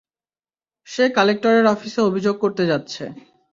সে কালেক্টরের অফিসে অভিযোগ করতে যাচ্ছে।